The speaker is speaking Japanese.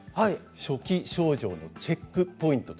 初期症状のチェックポイントです。